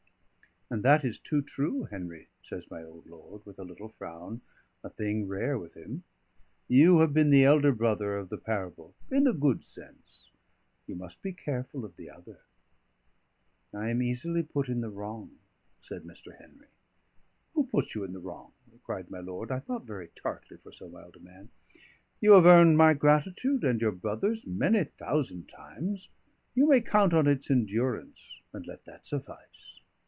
"And that is too true, Henry," says my old lord, with a little frown, a thing rare with him. "You have been the elder brother of the parable in the good sense; you must be careful of the other." "I am easily put in the wrong," said Mr. Henry. "Who puts you in the wrong?" cried my lord, I thought very tartly for so mild a man. "You have earned my gratitude and your brother's many thousand times: you may count on its endurance; and let that suffice."